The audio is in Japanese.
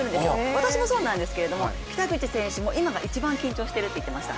私もそうなんですけれども北口選手も今が一番緊張していると言っていました。